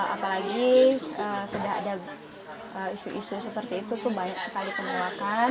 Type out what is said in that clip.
apalagi sudah ada isu isu seperti itu tuh banyak sekali penolakan